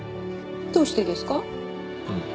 どうしてですか？